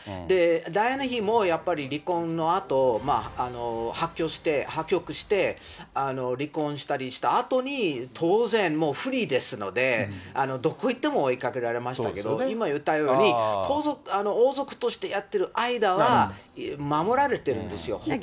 ダイアナ妃もやっぱり、離婚のあと、破局して、離婚したりしたあとに、当然、フリーですので、どこ行っても追いかけられましたけど、今言ったように、王族としてやってる間は守られてるんですよ、ほとんど。